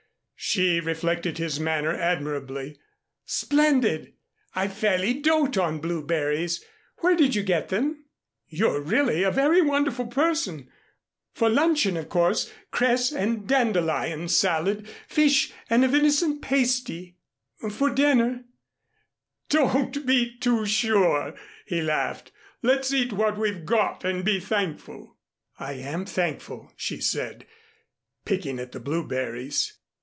She reflected his manner admirably. "Splendid! I fairly dote on blueberries. Where did you get them? You're really a very wonderful person. For luncheon, of course, cress and dandelion salad, fish and a venison pasty. For dinner " "Don't be too sure," he laughed. "Let's eat what we've got and be thankful." "I am thankful," she said, picking at the blueberries.